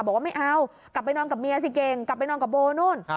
บอกว่าไม่เอากลับไปนอนกับเมียสิเก่งกลับไปนอนกับโบนู่น